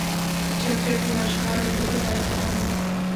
چاکلېټ د ماشومانو د لوبو ځای کې هم وي.